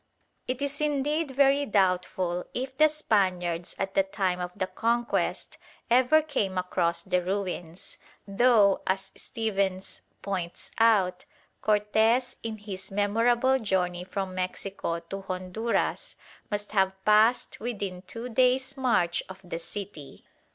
It is indeed very doubtful if the Spaniards at the time of the Conquest ever came across the ruins, though, as Stephens points out, Cortes in his memorable journey from Mexico to Honduras must have passed within two days' march of the city.